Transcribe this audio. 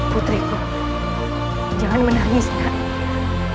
putriku jangan menangis nani